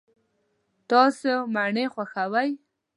تاسو مڼې خوښوئ؟